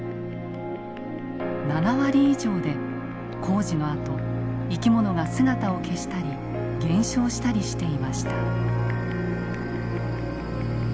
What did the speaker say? ７割以上で工事のあと生き物が姿を消したり減少したりしていました。